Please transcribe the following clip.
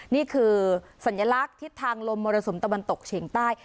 นี่คือสัญลักษณ์ทิศทางลมมรสุมตะวันตกเฉียงใต้